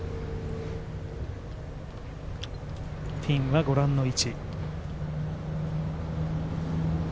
ピンはご覧の位置。